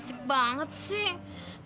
resik banget sih